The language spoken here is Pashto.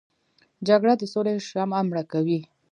جګړه د سولې شمعه مړه کوي